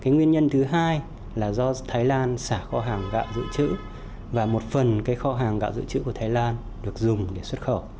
nguyên nhân thứ hai là do thái lan xả kho hàng gạo dự trữ và một phần kho hàng gạo dự trữ của thái lan được dùng để xuất khẩu